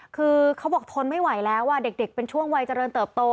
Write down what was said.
คือเขาบอกทนไม่ไหวแล้วเด็กเป็นช่วงวัยเจริญเติบโต